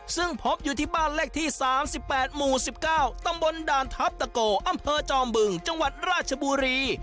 ซึ่งพบอยู่ที่บ้านเลขที่๓๘หมู่๑๙ตำบลด่านทัพตะโกอำเภอจอมบึงจังหวัดราชบุรี